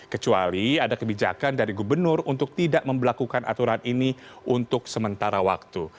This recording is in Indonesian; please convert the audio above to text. kecuali ada kebijakan dari gubernur untuk tidak membelakukan aturan ini untuk sementara waktu